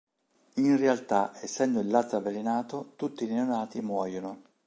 In realtà, essendo il latte avvelenato, tutti i neonati muoiono.